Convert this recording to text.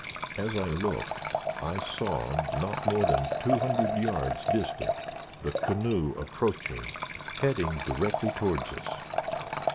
As I looked, I saw, not more than two hundred yards distant the canoe approaching, heading directly towards us.